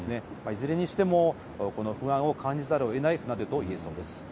いずれにしても、この不安を感じざるをえない船出といえそうです。